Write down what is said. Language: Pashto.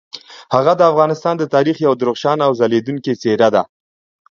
هغه د افغانستان د تاریخ یوه درخشانه او ځلیدونکي څیره ده.